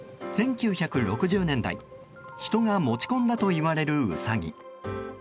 １９６０年代、人が持ち込んだといわれるウサギ。